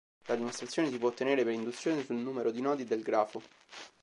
La dimostrazione si può ottenere per induzione sul numero di nodi del grafo.